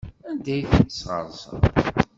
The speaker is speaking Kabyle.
Anda ay ten-tesɣerseḍ?